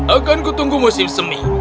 akanku tunggu musim semi